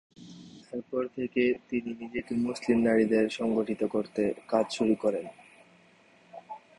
এরপর থেকে তিনি নিজেকে মুসলিম নারীদের সংগঠিত করতে কাজ শুরু করেন।